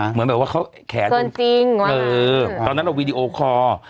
เหมือนแบบว่าเขาแขนจริงตอนนั้นเราวีดีโอคอร์